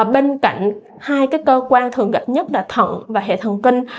bên cạnh hai cơ quan thường gặp nhất là thần và hệ thần kinh